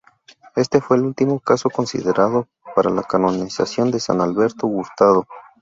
Este fue el último caso considerado para la canonización de San Alberto Hurtado.